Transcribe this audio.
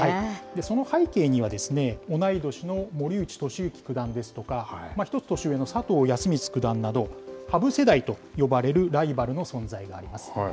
その背景にはですね、同い年の森内俊之九段ですとか、１つ年上の佐藤康光九段など羽生世代と呼ばれるライバルの存在があります。